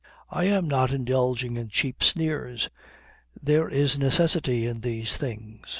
I am not indulging in cheap sneers. There is necessity in these things.